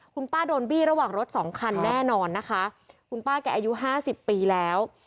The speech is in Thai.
คุณป้าโดนบี้ระหว่างรถสองคันแน่นอนนะคะคุณป้าแกอายุห้าสิบปีแล้ว